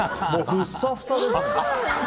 ふっさふさですよ。